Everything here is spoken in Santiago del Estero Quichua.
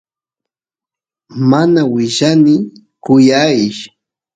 mana willani kuyaysh